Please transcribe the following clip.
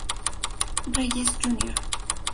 Reyes, Jr.